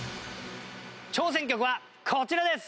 挑戦曲はこちらです！